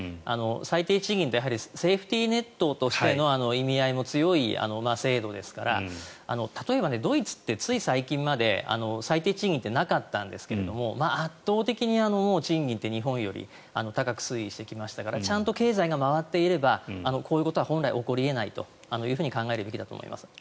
最低賃金ってセーフティーネットとしての意味合いも強い制度ですから例えば、ドイツってつい最近まで最低賃金ってなかったんですが圧倒的に賃金って日本より高く推移してきましたからちゃんと経済が回っていればこういうことは本来起こり得ないと考えるべきだと思います。